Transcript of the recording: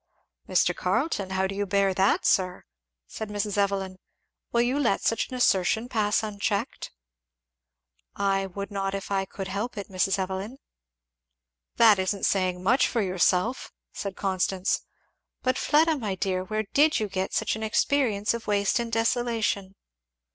"Mr. Carleton, how do you bear that, sir?" said Mrs. Evelyn. "Will you let such an assertion pass unchecked?" "I would not if I could help it, Mrs. Evelyn." "That isn't saying much for yourself," said Constance; "but Fleda my dear, where did you get such an experience of waste and desolation?"